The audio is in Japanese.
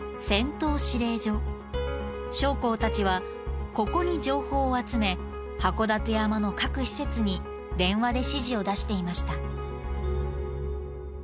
将校たちはここに情報を集め函館山の各施設に電話で指示を出していました。